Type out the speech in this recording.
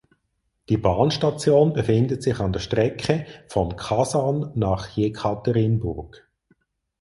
Die Bahnstation befindet sich an der Strecke von Kasan nach Jekaterinburg.